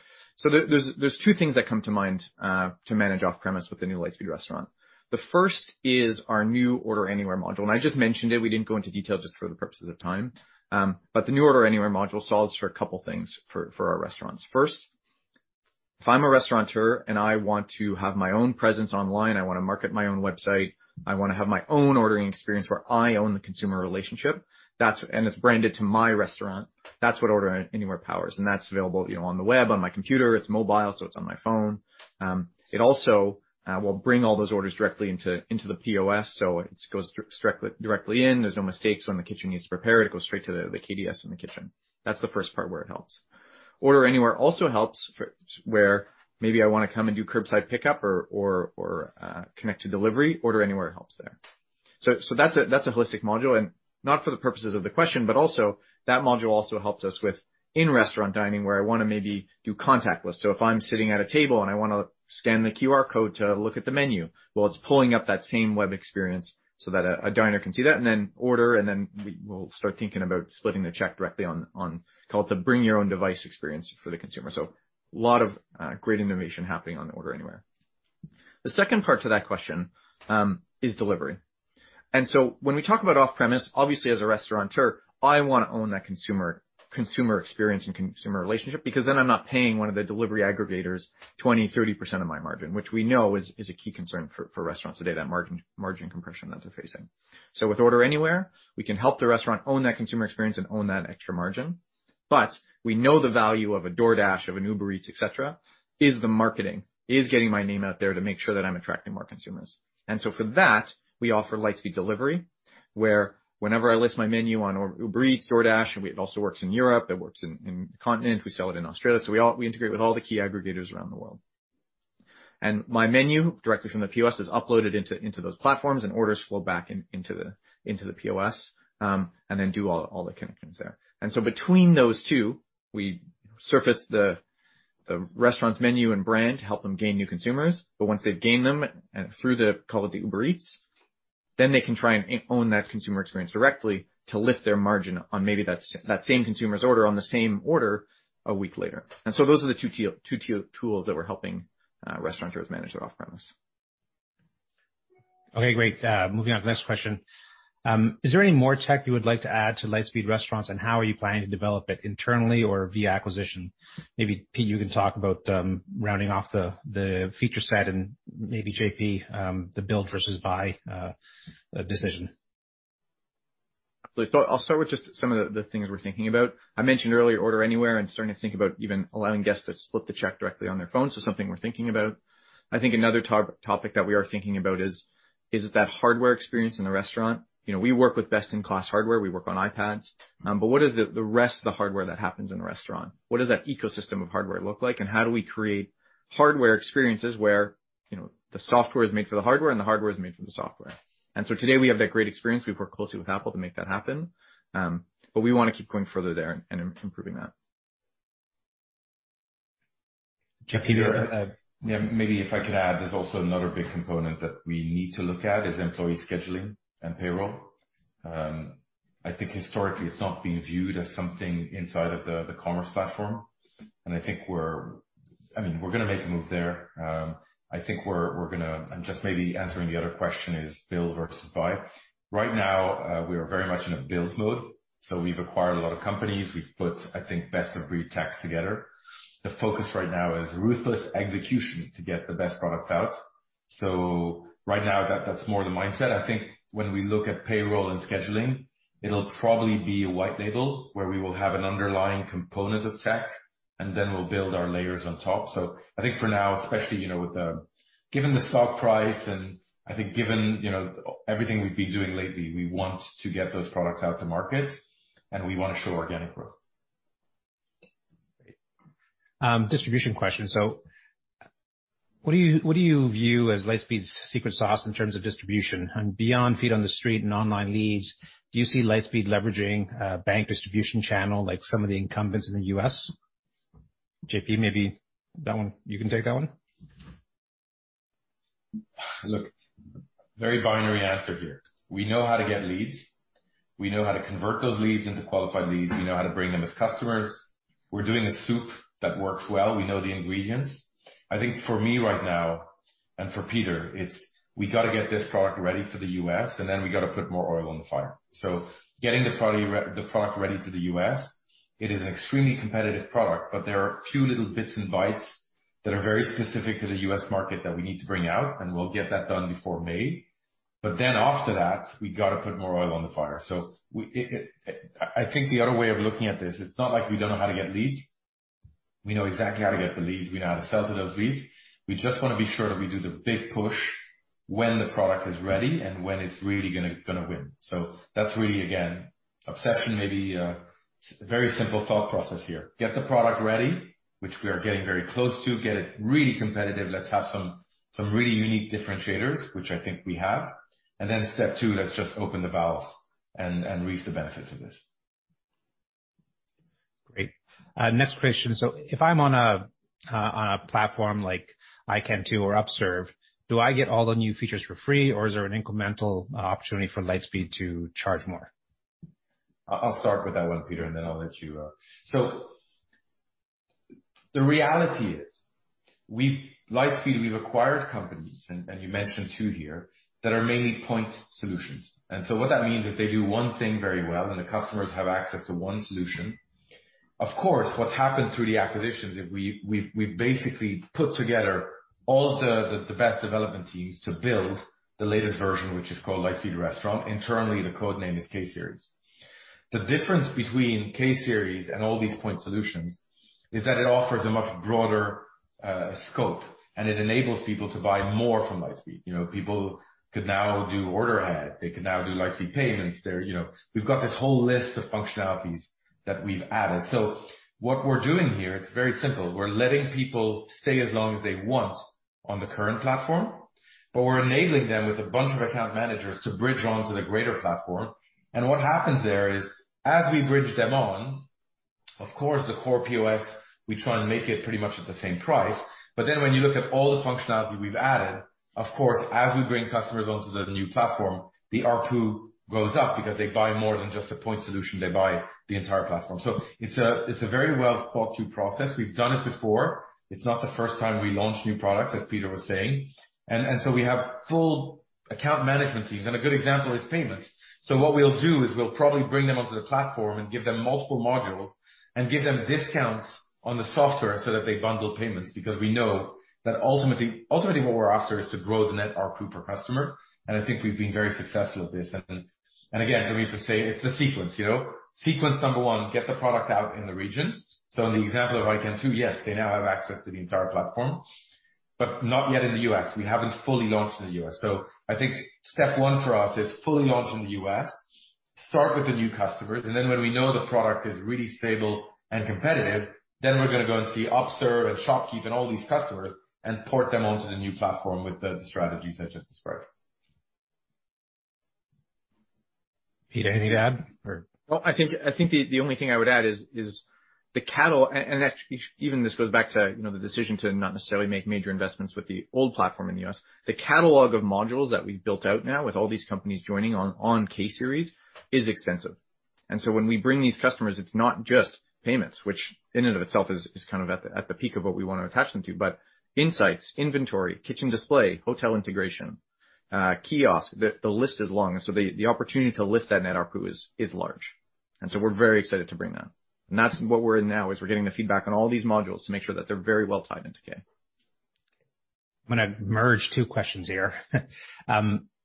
There's two things that come to mind to manage off-premise with the new Lightspeed Restaurant. The first is our new Order Anywhere module. I just mentioned it, we didn't go into detail just for the purposes of time. The new Order Anywhere module solves for a couple things for our restaurants. First, if I'm a restaurateur and I want to have my own presence online, I wanna market my own website, I wanna have my own ordering experience where I own the consumer relationship, that's it's branded to my restaurant. That's what Order Anywhere powers, and that's available, you know, on the web, on my computer. It's mobile, so it's on my phone. It also will bring all those orders directly into the POS, so it goes directly in. There's no mistakes when the kitchen needs to prepare it. It goes straight to the KDS in the kitchen. That's the first part where it helps. Order Anywhere also helps for where maybe I wanna come and do curbside pickup or connect to delivery. Order Anywhere helps there. That's a holistic module, and not for the purposes of the question, but also that module also helps us with in-restaurant dining, where I wanna maybe do contactless. If I'm sitting at a table and I wanna scan the QR code to look at the menu, well, it's pulling up that same web experience so that a diner can see that and then order, and then we will start thinking about splitting the check directly on call it the bring your own device experience for the consumer. A lot of great innovation happening on Order Anywhere. The second part to that question is delivery. When we talk about off-premise, obviously as a restaurateur, I wanna own that consumer experience and consumer relationship because then I'm not paying one of the delivery aggregators 20%-30% of my margin, which we know is a key concern for restaurants today, that margin compression that they're facing. With Order Anywhere, we can help the restaurant own that consumer experience and own that extra margin. We know the value of a DoorDash, of an Uber Eats, et cetera, is the marketing, is getting my name out there to make sure that I'm attracting more consumers. For that, we offer Lightspeed Delivery, where whenever I list my menu on or Uber Eats, DoorDash, and it also works in Europe, it works in the continent. We sell it in Australia. We integrate with all the key aggregators around the world. My menu directly from the POS is uploaded into those platforms, and orders flow back into the POS, and then do all the connections there. Between those two, we surface the restaurant's menu and brand to help them gain new consumers. But once they've gained them, through, call it, the Uber Eats, then they can try and own that consumer experience directly to lift their margin on maybe that same consumer's order on the same order a week later. Those are the two tools that we're helping restaurateurs manage their off-premise. Okay, great. Moving on to the next question. Is there any more tech you would like to add to Lightspeed Restaurants, and how are you planning to develop it internally or via acquisition? Maybe, Peter, you can talk about rounding off the feature set and maybe JP, the build versus buy decision. I thought I'll start with just some of the things we're thinking about. I mentioned earlier Order Anywhere and starting to think about even allowing guests to split the check directly on their phone, so something we're thinking about. I think another top topic that we are thinking about is that hardware experience in the restaurant. You know, we work with best-in-class hardware. We work on iPads. But what is the rest of the hardware that happens in the restaurant? What does that ecosystem of hardware look like, and how do we create hardware experiences where, you know, the software is made for the hardware and the hardware is made for the software? Today we have that great experience. We've worked closely with Apple to make that happen. But we want to keep going further there and improving that. JP, do you have- Yeah. Maybe if I could add, there's also another big component that we need to look at is employee scheduling and payroll. I think historically it's not been viewed as something inside of the commerce platform. I think we're... I mean, we're gonna make a move there. I think we're gonna... Just maybe answering the other question is build versus buy. Right now, we are very much in a build mode, so we've acquired a lot of companies. We've put, I think, best-of-breed tech together. The focus right now is ruthless execution to get the best products out. Right now, that's more the mindset. I think when we look at payroll and scheduling, it'll probably be a white label where we will have an underlying component of tech, and then we'll build our layers on top. I think for now, especially, you know, given the stock price, and I think given, you know, everything we've been doing lately, we want to get those products out to market, and we wanna show organic growth. Great. Distribution question. What do you view as Lightspeed's secret sauce in terms of distribution? Beyond feet on the street and online leads, do you see Lightspeed leveraging a bank distribution channel like some of the incumbents in the U.S.? JP, maybe that one. You can take that one. Look, very binary answer here. We know how to get leads. We know how to convert those leads into qualified leads. We know how to bring them on as customers. We're doing a loop that works well. We know the ingredients. I think for me right now, and for Peter, it's we gotta get this product ready for the U.S., and then we gotta put more oil on the fire. Getting the product ready for the U.S., it is an extremely competitive product, but there are a few little bits and bytes that are very specific to the US market that we need to bring out, and we'll get that done before May. Then after that, we gotta put more oil on the fire. I think the other way of looking at this, it's not like we don't know how to get leads. We know exactly how to get the leads. We know how to sell to those leads. We just wanna be sure that we do the big push when the product is ready and when it's really gonna win. That's really, again, obsession, maybe a very simple thought process here. Get the product ready, which we are getting very close to. Get it really competitive. Let's have some really unique differentiators, which I think we have. Then step two, let's just open the valves and reap the benefits of this. Great. Next question. If I'm on a platform like iKentoo or Upserve, do I get all the new features for free, or is there an incremental opportunity for Lightspeed to charge more? I'll start with that one, Peter, and then I'll let you. The reality is Lightspeed, we've acquired companies, and you mentioned two here, that are mainly point solutions. What that means is they do one thing very well, and the customers have access to one solution. Of course, what's happened through the acquisitions is we've basically put together all the best development teams to build the latest version, which is called Lightspeed Restaurant. Internally, the code name is K-Series. The difference between K-Series and all these point solutions is that it offers a much broader scope, and it enables people to buy more from Lightspeed. You know, people could now do order ahead, they can now do Lightspeed Payments. You know, we've got this whole list of functionalities that we've added. What we're doing here, it's very simple. We're letting people stay as long as they want on the current platform, but we're enabling them with a bunch of account managers to bridge onto the greater platform. What happens there is, as we bridge them on, of course, the core POS, we try and make it pretty much at the same price. When you look at all the functionality we've added, of course, as we bring customers onto the new platform, the ARPU goes up because they buy more than just a point solution. They buy the entire platform. It's a very well-thought-through process. We've done it before. It's not the first time we launched new products, as Peter was saying. We have full account management teams. A good example is payments. What we'll do is we'll probably bring them onto the platform and give them multiple modules and give them discounts on the software so that they bundle payments. Because we know that ultimately what we're after is to grow the net ARPU per customer. I think we've been very successful at this. Again, for me to say it's a sequence, you know? Sequence number one, get the product out in the region. In the example of item two, yes, they now have access to the entire platform, but not yet in the U.S. We haven't fully launched in the U.S. I think step one for us is fully launch in the U.S., start with the new customers, and then when we know the product is really stable and competitive, then we're gonna go and see Upserve and ShopKeep and all these customers and port them onto the new platform with the strategy such as described. Peter, anything to add? I think the only thing I would add is actually even this goes back to you know the decision to not necessarily make major investments with the old platform in the U.S. The catalog of modules that we've built out now with all these companies joining on K-series is extensive. When we bring these customers, it's not just payments, which in and of itself is kind of at the peak of what we wanna attach them to, but insights, inventory, kitchen display, hotel integration, kiosk. The list is long, and the opportunity to lift that net ARPU is large. We're very excited to bring that. That's what we're in now, is we're getting the feedback on all these modules to make sure that they're very well tied into K-Series. I'm gonna merge two questions here.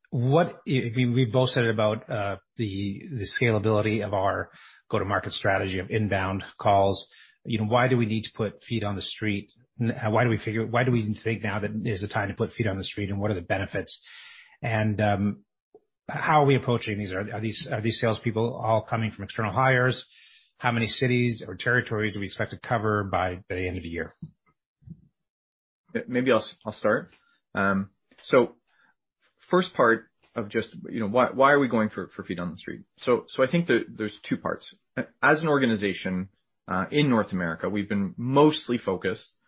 What you both said about the scalability of our go-to-market strategy of inbound calls. You know, why do we need to put feet on the street? Why do we think now that is the time to put feet on the street, and what are the benefits? How are we approaching these? Are these salespeople all coming from external hires? How many cities or territories do we expect to cover by the end of the year? Maybe I'll start. First part of just, you know, why are we going for feet on the street? I think there's two parts. As an organization, in North America, we've been mostly focused on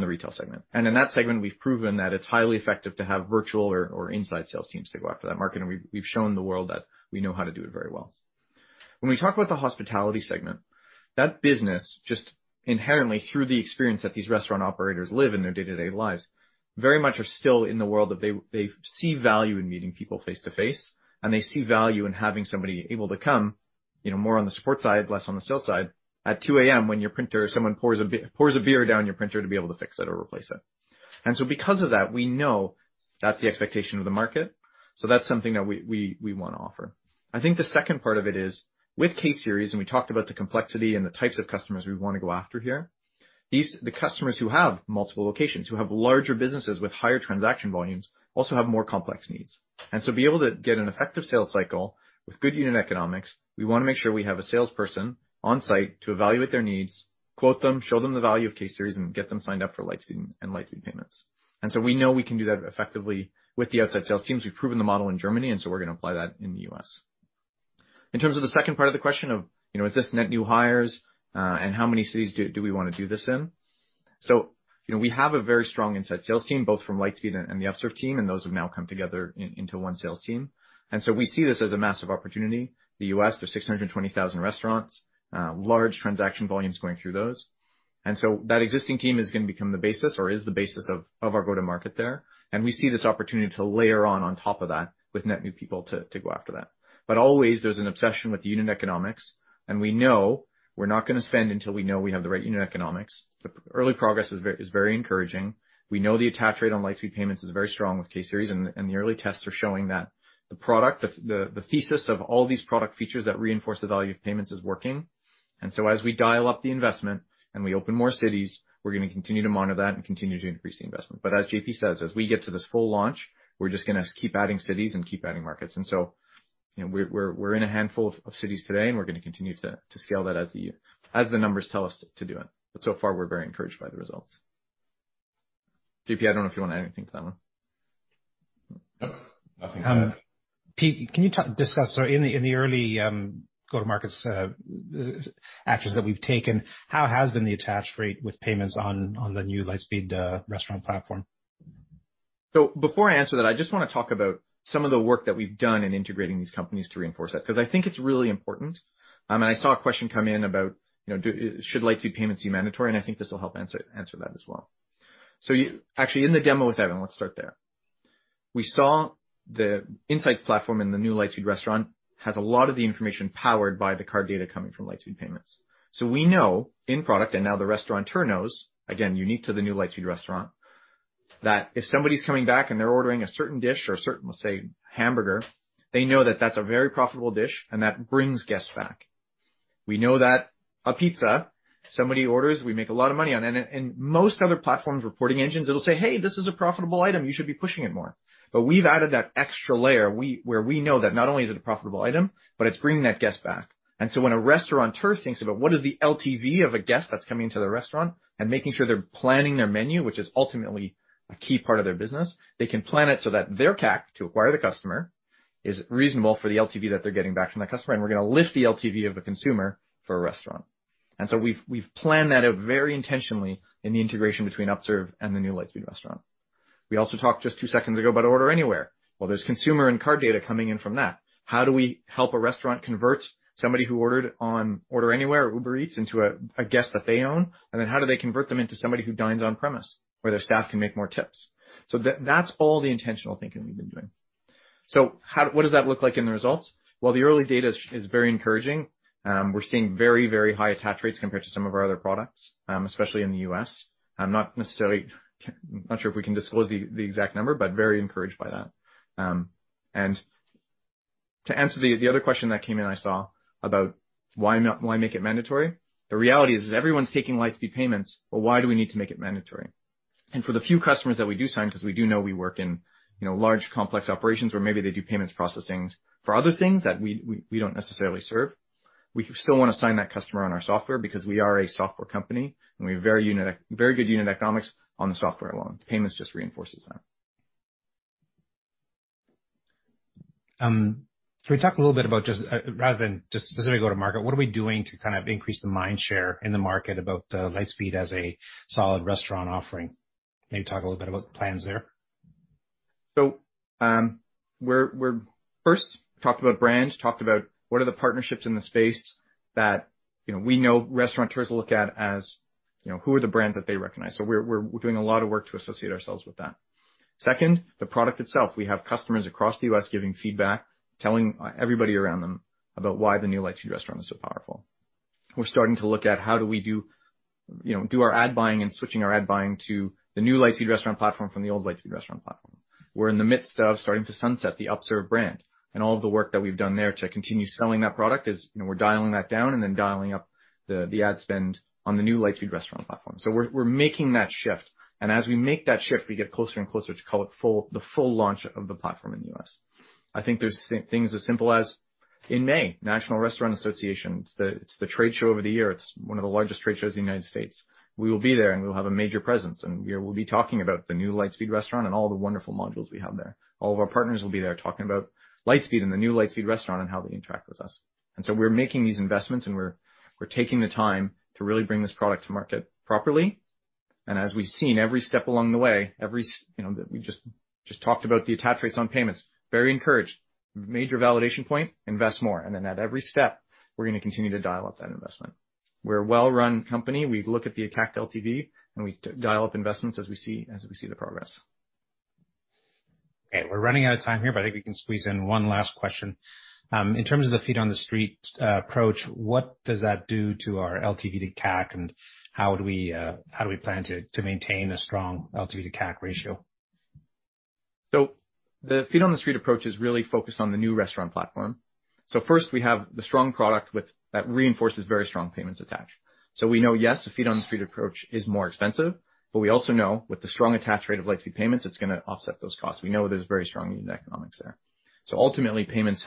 the retail segment. In that segment, we've proven that it's highly effective to have virtual or inside sales teams to go after that market. We've shown the world that we know how to do it very well. When we talk about the hospitality segment, that business just inherently through the experience that these restaurant operators live in their day-to-day lives, very much are still in the world that they see value in meeting people face-to-face, and they see value in having somebody able to come, you know, more on the support side, less on the sales side, at 2:00 A.M. when your printer, someone pours a beer down your printer to be able to fix it or replace it. Because of that, we know that's the expectation of the market. That's something that we wanna offer. I think the second part of it is with K-Series, and we talked about the complexity and the types of customers we wanna go after here. The customers who have multiple locations, who have larger businesses with higher transaction volumes, also have more complex needs. To be able to get an effective sales cycle with good unit economics, we wanna make sure we have a salesperson on site to evaluate their needs, quote them, show them the value of K-Series, and get them signed up for Lightspeed and Lightspeed Payments. We know we can do that effectively with the outside sales teams. We've proven the model in Germany, and so we're gonna apply that in the U.S. In terms of the second part of the question, you know, is this net new hires, and how many cities do we wanna do this in? You know, we have a very strong inside sales team, both from Lightspeed and the Upserve team, and those have now come together into one sales team. We see this as a massive opportunity. U.S., there's 620,000 restaurants, large transaction volumes going through those. That existing team is gonna become the basis or is the basis of our go-to-market there. We see this opportunity to layer on top of that with net new people to go after that. Always there's an obsession with unit economics, and we know we're not gonna spend until we know we have the right unit economics. The early progress is very encouraging. We know the attach rate on Lightspeed Payments is very strong with K-Series, and the early tests are showing that the product, the thesis of all these product features that reinforce the value of payments is working. As we dial up the investment and we open more cities, we're gonna continue to monitor that and continue to increase the investment. But as JP says, as we get to this full launch, we're just gonna keep adding cities and keep adding markets. You know, we're in a handful of cities today, and we're gonna continue to scale that as the numbers tell us to do it. But so far, we're very encouraged by the results. JP, I don't know if you want to add anything to that one. Nope. Nothing to add. Peter, can you discuss, so in the early go-to-markets actions that we've taken, how has been the attach rate with payments on the new Lightspeed restaurant platform? Before I answer that, I just wanna talk about some of the work that we've done in integrating these companies to reinforce that, 'cause I think it's really important. I saw a question come in about, you know, Should Lightspeed Payments be mandatory? I think this will help answer that as well. Actually in the demo with Evan, let's start there. We saw the insights platform in the new Lightspeed Restaurant has a lot of the information powered by the card data coming from Lightspeed Payments. We know in product, and now the restauranteur knows, again, unique to the new Lightspeed Restaurant, that if somebody's coming back and they're ordering a certain dish or a certain, let's say, hamburger, they know that that's a very profitable dish and that brings guests back. We know that a pizza somebody orders, we make a lot of money on it. Most other platforms, reporting engines, it'll say, "Hey, this is a profitable item. You should be pushing it more." We've added that extra layer where we know that not only is it a profitable item, but it's bringing that guest back. When a restauranteur thinks about what is the LTV of a guest that's coming to the restaurant and making sure they're planning their menu, which is ultimately a key part of their business, they can plan it so that their CAC to acquire the customer is reasonable for the LTV that they're getting back from that customer, and we're gonna lift the LTV of the consumer for a restaurant. We've planned that out very intentionally in the integration between Upserve and the new Lightspeed Restaurant. We also talked just two seconds ago about Order Anywhere. Well, there's consumer and card data coming in from that. How do we help a restaurant convert somebody who ordered on Order Anywhere or Uber Eats into a guest that they own? And then how do they convert them into somebody who dines on premise, where their staff can make more tips? That's all the intentional thinking we've been doing. What does that look like in the results? While the early data is very encouraging, we're seeing very, very high attach rates compared to some of our other products, especially in the U.S. I'm not sure if we can disclose the exact number, but very encouraged by that. And to answer the other question that came in I saw about why not, why make it mandatory? The reality is, everyone's taking Lightspeed Payments, but why do we need to make it mandatory? For the few customers that we do sign, because we do know we work in, you know, large complex operations where maybe they do payments processing for other things that we don't necessarily serve. We still want to sign that customer on our software because we are a software company, and we have very good unit economics on the software alone. Payments just reinforces that. Can we talk a little bit about just, rather than just specifically go to market, what are we doing to kind of increase the mind share in the market about, Lightspeed as a solid restaurant offering? Maybe talk a little bit about the plans there. We're first talking about brand, talked about what the partnerships in the space are that, you know, we know restauranteurs look at as, you know, who the brands are that they recognize. We're doing a lot of work to associate ourselves with that. Second, the product itself. We have customers across the U.S. giving feedback, telling everybody around them about why the new Lightspeed Restaurant is so powerful. We're starting to look at how we do our ad buying and switching our ad buying to the new Lightspeed Restaurant platform from the old Lightspeed Restaurant platform. We're in the midst of starting to sunset the Upserve brand and all the work that we've done there to continue selling that product is, you know, we're dialing that down and then dialing up the ad spend on the new Lightspeed Restaurant platform. We're making that shift. As we make that shift, we get closer and closer to the full launch of the platform in the U.S. I think there's things as simple as in May, National Restaurant Association. It's the trade show of the year. It's one of the largest trade shows in the United States. We will be there, and we'll have a major presence, and we will be talking about the new Lightspeed Restaurant and all the wonderful modules we have there. All of our partners will be there talking about Lightspeed and the new Lightspeed Restaurant and how they interact with us. We're making these investments, and we're taking the time to really bring this product to market properly. As we've seen every step along the way, you know, that we just talked about the attach rates on payments, very encouraged. Major validation point. Invest more. We're gonna continue to dial up that investment. We're a well-run company. We look at the attached LTV, and we dial up investments as we see the progress. Okay, we're running out of time here, but I think we can squeeze in one last question. In terms of the feet on the street approach, what does that do to our LTV to CAC, and how do we plan to maintain a strong LTV to CAC ratio? The feet on the street approach is really focused on the new restaurant platform. First, we have the strong product with that reinforces very strong payments attached. We know, yes, the feet on the street approach is more expensive, but we also know with the strong attached rate of Lightspeed Payments, it's gonna offset those costs. We know there's very strong unit economics there. Ultimately, payments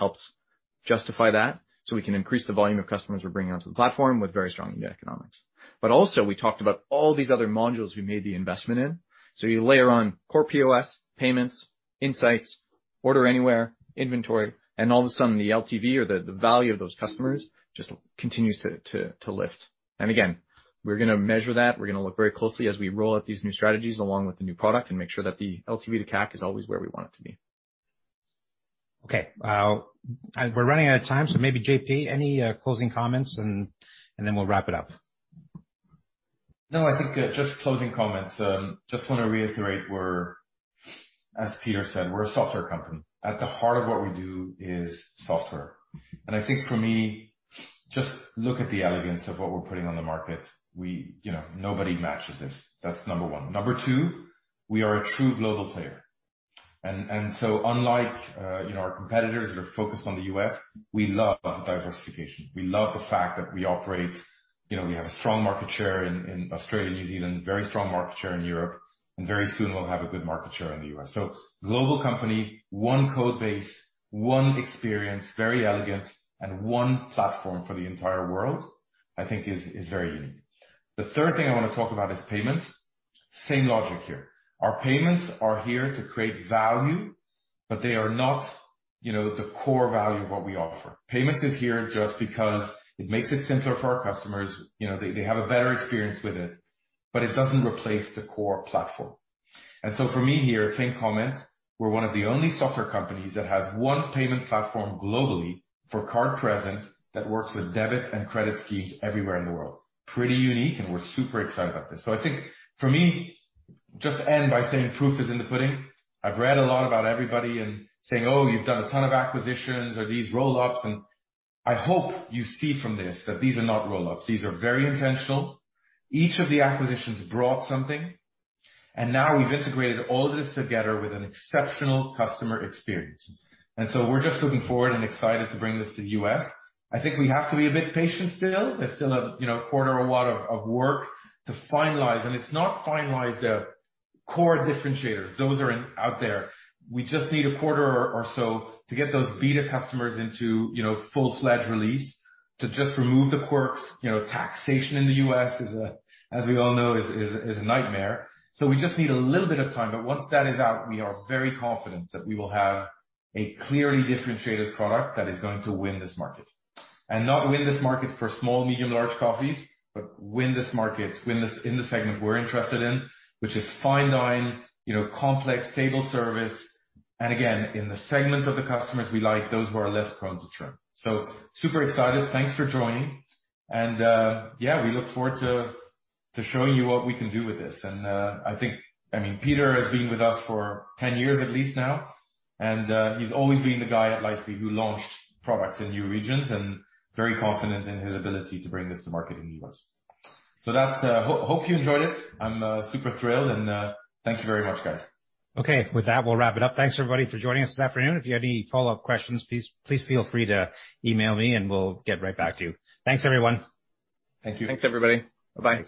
helps justify that, so we can increase the volume of customers we're bringing onto the platform with very strong unit economics. Also, we talked about all these other modules we made the investment in. You layer on core POS, payments, insights, Order Anywhere, inventory, and all of a sudden the LTV or the value of those customers just continues to lift. Again, we're gonna measure that. We're gonna look very closely as we roll out these new strategies along with the new product and make sure that the LTV - CAC is always where we want it to be. Okay. We're running out of time, so maybe JP, any closing comments and then we'll wrap it up. No, I think, just closing comments. Just wanna reiterate we're, as Peter said, a software company. At the heart of what we do is software. I think for me, just look at the elegance of what we're putting on the market. We, you know, nobody matches this. That's number one. Number two, we are a true global player. So unlike, you know, our competitors that are focused on the U.S., we love diversification. We love the fact that we operate, you know, we have a strong market share in Australia, New Zealand, very strong market share in Europe, and very soon we'll have a good market share in the U.S. So global company, one code base, one experience, very elegant, and one platform for the entire world, I think is very unique. The third thing I wanna talk about is payments. Same logic here. Our payments are here to create value, but they are not, you know, the core value of what we offer. Payments is here just because it makes it simpler for our customers. You know, they have a better experience with it, but it doesn't replace the core platform. For me here, same comment, we're one of the only software companies that has one payment platform globally for card present that works with debit and credit schemes everywhere in the world. Pretty unique, and we're super excited about this. I think for me, just end by saying proof is in the pudding. I've read a lot about everybody and saying, "Oh, you've done a ton of acquisitions or these roll-ups." I hope you see from this that these are not roll-ups. These are very intentional. Each of the acquisitions brought something. Now we've integrated all this together with an exceptional customer experience. We're just looking forward and excited to bring this to the U.S. I think we have to be a bit patient still. There's still a, you know, quarter or a lot of work to finalize. It's not finalized, core differentiators. Those are out there. We just need a quarter or so to get those beta customers into, you know, full-fledged release to just remove the quirks. You know, taxation in the U.S. is, as we all know, a nightmare. We just need a little bit of time, but once that is out, we are very confident that we will have a clearly differentiated product that is going to win this market. Not win this market for small, medium, large coffees, but win this market, win this in the segment we're interested in, which is fine dining, you know, complex table service. Again, in the segment of the customers we like, those who are less prone to churn. Super excited. Thanks for joining. Yeah, we look forward to showing you what we can do with this. I think. I mean, Peter has been with us for 10 years at least now, and he's always been the guy at Lightspeed who launched products in new regions and very confident in his ability to bring this to market in the U.S. That's. I hope you enjoyed it. I'm super thrilled and thank you very much, guys. Okay. With that, we'll wrap it up. Thanks, everybody, for joining us this afternoon. If you have any follow-up questions, please feel free to email me and we'll get right back to you. Thanks, everyone. Thank you. Thanks, everybody. Bye-bye.